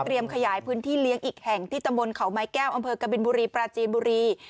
ขยายพื้นที่เลี้ยงอีกแห่งที่ตำบลเขาไม้แก้วอำเภอกบินบุรีปราจีนบุรี